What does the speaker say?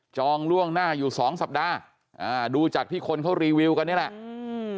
ล่วงหน้าอยู่สองสัปดาห์อ่าดูจากที่คนเขารีวิวกันนี่แหละอืม